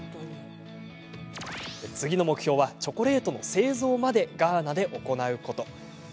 次の目標はチョコレートの製造までガーナで行うこと。